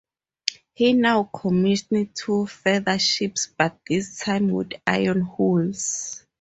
He now commissioned two further ships, but this time with iron hulls.